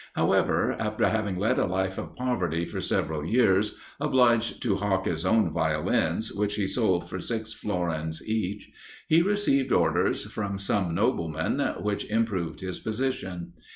However, after having led a life of poverty for several years, obliged to hawk his own Violins, which he sold for six florins each, he received orders from some noblemen, which improved his position.